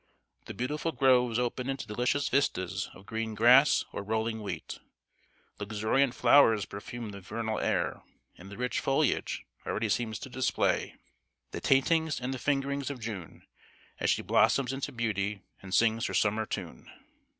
The beautiful groves open into delicious vistas of green grass or rolling wheat; luxuriant flowers perfume the vernal air, and the rich foliage already seems to display "The tintings and the fingerings of June, As she blossoms into beauty and sings her Summer tune!"